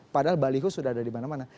padahal baliho sudah ada di mana mana